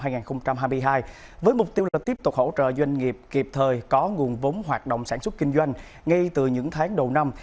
năm hai nghìn hai mươi hai với mục tiêu là tiếp tục hỗ trợ doanh nghiệp kịp thời có nguồn vốn hoạt động sản xuất kinh doanh ngay từ những tháng đầu năm